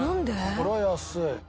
これは安い。